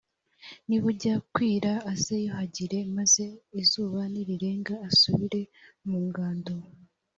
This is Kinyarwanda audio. nibujya kwira aziyuhagire, maze izuba nirirenga asubire mu ngando.